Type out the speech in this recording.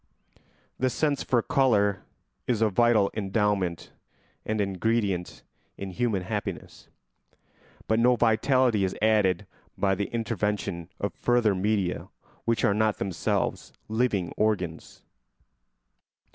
The sense for colour is a vital endowment and an ingredient in human happiness; but no vitality is added by the intervention of further media which are not themselves living organs.